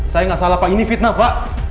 saya nggak salah pak ini fitnah pak